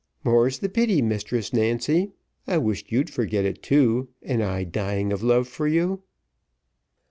"More's the pity, Mrs Nancy, I wish you'd forget it too, and I dying of love for you."